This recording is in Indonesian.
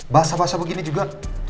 basah basah begini juga